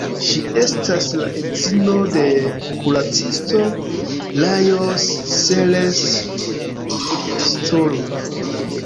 Ŝi estas la edzino de kuracisto Lajos Seres-Sturm.